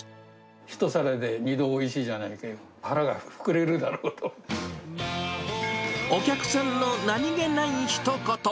１皿で２度おいしいじゃないお客さんの何気ないひと言。